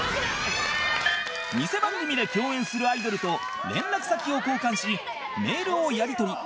ニセ番組で共演するアイドルと連絡先を交換しメールをやり取り